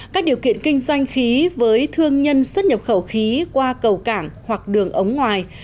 các điều kiện kinh doanh khí với thương nhân xuất nhập khẩu khí qua cầu cảng hoặc đường ống ngoài